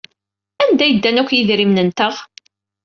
Anda ay ddan akk yedrimen-nteɣ?